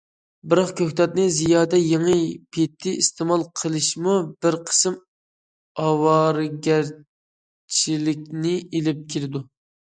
بىراق كۆكتاتنى زىيادە يېڭى پېتى ئىستېمال قىلىشمۇ بىر قىسىم ئاۋارىگەرچىلىكنى ئېلىپ كېلىدۇ.